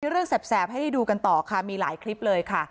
เรื่องแสบให้ดูกันต่อค่ะมีหลายคลิปเลยค่ะ